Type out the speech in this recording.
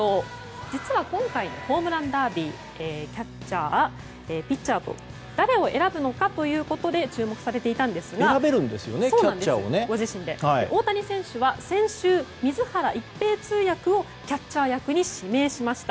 実は今回ホームランダービーキャッチャー、ピッチャーと誰を選ぶのかということで注目されていたんですが大谷選手は先週、水原一平通訳をキャッチャー役に指名しました。